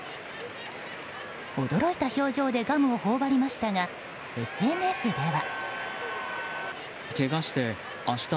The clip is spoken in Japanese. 驚いた表情でガムを頬張りましたがＳＮＳでは。